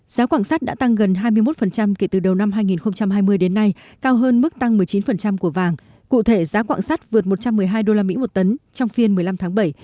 giá quảng sắt đã tăng gần hai mươi một kể từ đầu năm hai nghìn hai mươi đến nay cao hơn mức tăng một mươi chín của vàng cụ thể giá quảng sắt vượt một trăm một mươi hai usd một tấn trong phiên một mươi năm tháng bảy